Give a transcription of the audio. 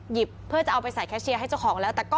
เพื่อจะเอาไปใส่แคชเชียร์ให้เจ้าของแล้ว